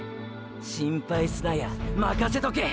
心配すなやまかせとけ！